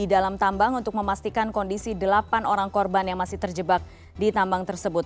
di dalam tambang untuk memastikan kondisi delapan orang korban yang masih terjebak di tambang tersebut